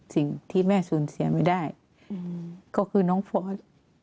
สิ่งที่แม่สูญเสียไม่ได้ก็คือน้องฟอร์ส